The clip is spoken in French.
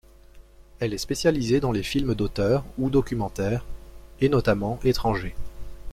Elle est spécialisée dans les films d’auteur ou documentaires, et notamment étrangers.